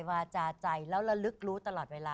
วาจาใจแล้วระลึกรู้ตลอดเวลา